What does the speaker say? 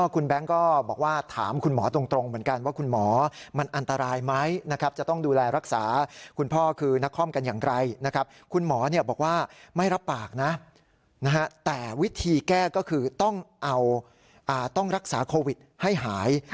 คุณหมอบอกว่าไม่รับปากนะแต่วิธีแก้ก็คือต้องรักษาโควิดให้หาย